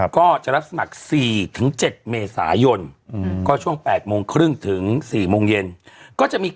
ก็จะรับสมัครสี่ถึงเจ็ดเมษายนก็ช่วงแปดโมงครึ่งถึงสี่โมงเย็น